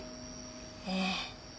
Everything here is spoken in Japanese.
ええ。